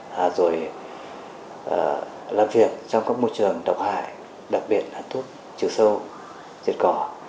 rồi làm việc trong các môi trường độc hại đặc biệt là thuốc trừ sâu diệt cỏ